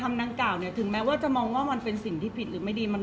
เพราะว่าสิ่งเหล่านี้มันเป็นสิ่งที่ไม่มีพยาน